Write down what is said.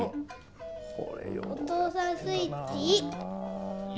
おとうさんスイッチ「い」。